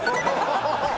ハハハハ！